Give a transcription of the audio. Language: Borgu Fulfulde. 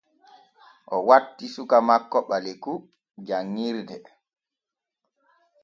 O watti suka makko Ɓaleku janŋirde.